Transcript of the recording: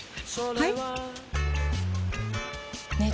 はい！